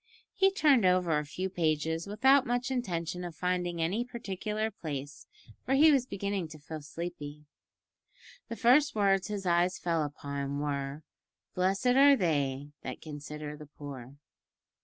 He turned over a few pages without much intention of finding any particular place, for he was beginning to feel sleepy. The first words his eyes fell upon were, "Blessed are they that consider the poor."